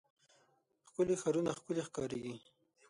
ښکلي ښارونه ښکلي ښکاريږي.